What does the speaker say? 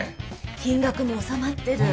金額も収まってる。